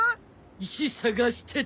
石探してた。